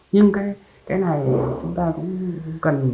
nhưng cái này chúng ta cũng cần